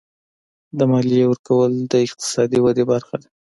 د مالیې ورکول د اقتصادي ودې برخه ده.